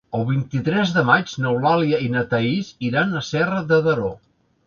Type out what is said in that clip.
El vint-i-tres de maig n'Eulàlia i na Thaís iran a Serra de Daró.